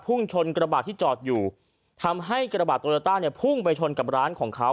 ชนกระบาดที่จอดอยู่ทำให้กระบาดโตโยต้าเนี่ยพุ่งไปชนกับร้านของเขา